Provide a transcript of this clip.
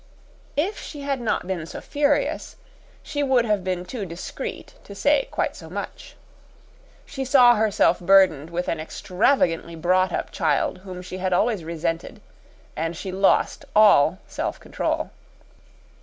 If she had not been so furious, she would have been too discreet to say quite so much. She saw herself burdened with an extravagantly brought up child whom she had always resented, and she lost all self control.